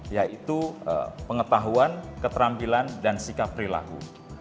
yaitu pengetahuan keterampilan dan sikap perilaku